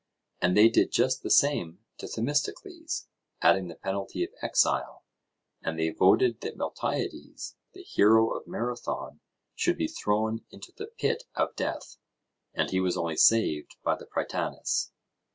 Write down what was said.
and they did just the same to Themistocles, adding the penalty of exile; and they voted that Miltiades, the hero of Marathon, should be thrown into the pit of death, and he was only saved by the Prytanis.